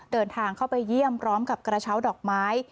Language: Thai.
เดินทางเข้าไปเยี่ยมพร้อมกับกระเช้าดอกไม้